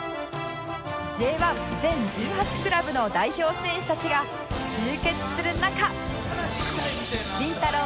Ｊ１ 全１８クラブの代表選手たちが集結する中りんたろー。